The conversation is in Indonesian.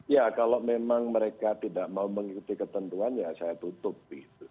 ya kalau memang mereka tidak mau mengikuti ketentuan ya saya tutup